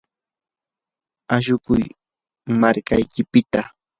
ashukuy markaykipita.